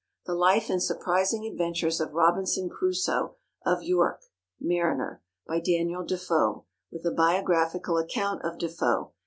The Life and Surprising Adventures of Robinson Crusoe, of York, Mariner. By DANIEL DEFOE. With a Biographical Account of Defoe.